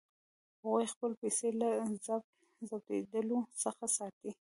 هغوی خپلې پیسې له ضبظېدلو څخه ساتي.